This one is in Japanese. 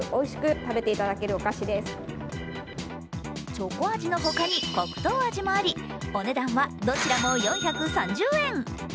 チョコ味の他に黒糖味もありお値段はどちらも４３０円。